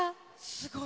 すごい。